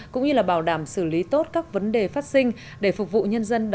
cũng như là bảo đảm xử lý tốt các vấn đề phát sinh để phục vụ nhân dân